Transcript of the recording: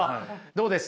どうです？